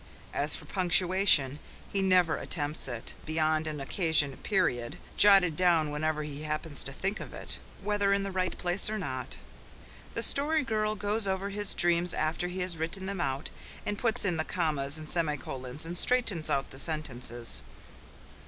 As for punctuation, he never attempts it, beyond an occasion period, jotted down whenever he happens to think of it, whether in the right place or not. The Story Girl goes over his dreams after he has written them out, and puts in the commas and semicolons, and straightens out the sentences.